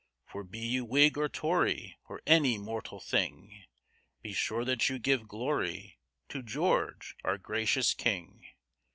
For be you Whig or Tory, Or any mortal thing, Be sure that you give glory To George, our gracious King.